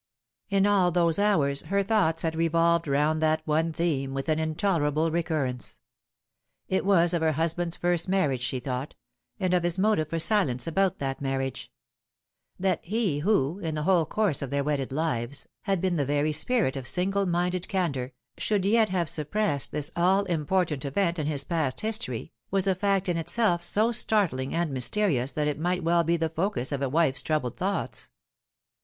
In all those hours her thoughts had revolved round that one theme with an intolerable recurrence. It was of her husband's first marriage she thought, and of his motive for silence about that marriage : that he who, in the whole course of their wedded lives, had been the very spirit of single minded candour, should yet have suppressed this all im portant event in his past history, was a fact in itself so startling and mysterious that it might well be the focus of a wife's troubled thoughts.